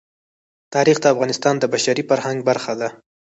تاریخ د افغانستان د بشري فرهنګ برخه ده.